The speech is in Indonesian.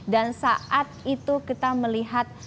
dan saat itu kita melihat